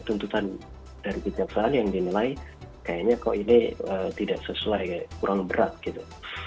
tuntutan dari kejaksaan yang dinilai kayaknya kok ini tidak sesuai kurang berat gitu